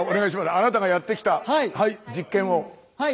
あなたがやってきた実験を。